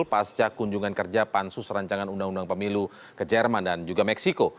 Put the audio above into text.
pasca kunjungan kerja pansus rancangan undang undang pemilu ke jerman dan juga meksiko